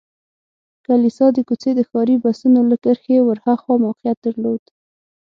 کلیسا د کوڅې د ښاري بسونو له کرښې ور هاخوا موقعیت درلود.